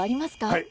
はい。